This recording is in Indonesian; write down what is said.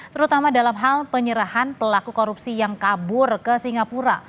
terutama dalam hal penyerahan pelaku korupsi yang kabur ke singapura